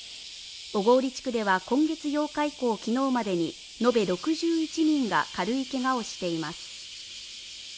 小郡地区では今月８日以降、昨日までに延べ６１人が軽いけがをしています。